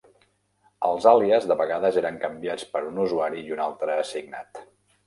Els àlies de vegades eren canviats per un usuari i un altre assignat.